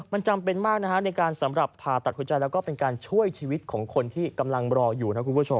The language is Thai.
มันจำเป็นมากนะฮะในการสำหรับผ่าตัดหัวใจแล้วก็เป็นการช่วยชีวิตของคนที่กำลังรออยู่นะคุณผู้ชม